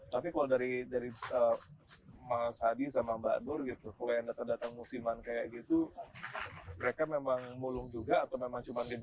tapi kalau dari dari mas hadi sama mbak nur gitu kalau yang datang datang musiman kayak gitu mereka memang mulung juga atau memang cuma di